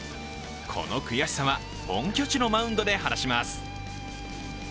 この悔しさは、本拠地のマウンドで張らします。